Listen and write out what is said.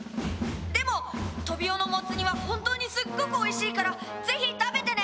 「でもトビオのモツ煮は本当にすっごくおいしいからぜひ食べてね！」。